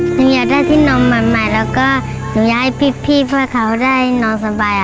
หนูอยากได้ที่นอนมากแล้วก็หนูอยากให้พี่เพื่อเขาได้ที่นอนสบายอ่ะ